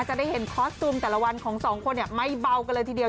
จะได้เห็นคอสตูมแต่ละวันของสองคนไม่เบากันเลยทีเดียว